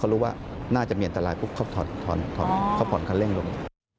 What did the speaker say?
รู้ว่าน่าจะมีอันตรายปุ๊บเขาผ่อนคันเร่งลง